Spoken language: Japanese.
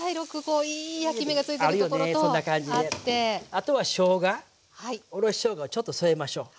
あとはしょうがおろししょうがをちょっと添えましょう。